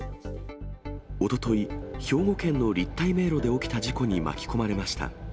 おととい、兵庫県の立体迷路で起きた事故に巻き込まれました。